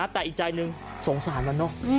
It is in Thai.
แต่อีกใจหนึ่งสงสารแล้วเนอะ